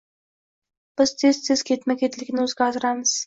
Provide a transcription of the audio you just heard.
Biz tez -tez ketma -ketlikni o'zgartiramiz